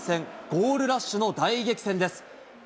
ゴールラッシュの大激戦です。